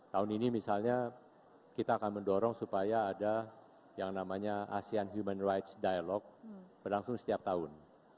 tahun ini misalnya kita akan mendorong supaya ada yang namanya asean human rights dialogue berlangsung setiap tahun